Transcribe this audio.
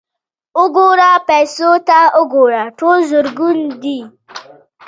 _وګوره، پيسو ته وګوره! ټول زرګون دي.